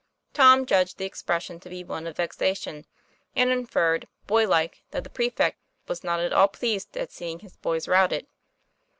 Tom judged the expression to be one of vexation, and inferred, boy like, that the prefect was not at all pleased at seeing his boys routed.